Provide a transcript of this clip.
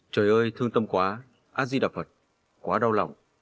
trời ơi thương tâm quá ác di đạp phật quá đau lòng